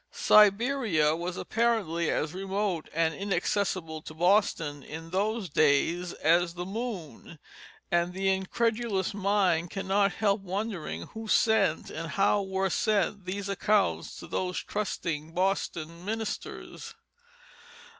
Siberia was apparently as remote and inaccessible to Boston in those days as the moon, and the incredulous mind cannot help wondering who sent and how were sent these accounts to those trusting Boston ministers.